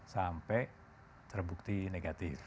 sampai terbukti negatif